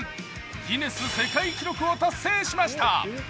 ギネス世界記録を達成しました。